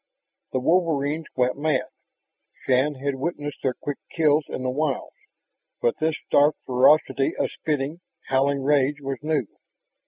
The wolverines went mad. Shann had witnessed their quick kills in the wilds, but this stark ferocity of spitting, howling rage was new.